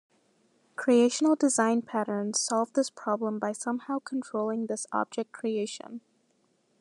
Creational design patterns solve this problem by somehow controlling this object creation.